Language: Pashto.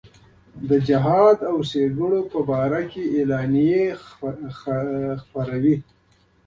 د جهاد او ښېګڼو په باره کې اعلامیې خپرې کړې.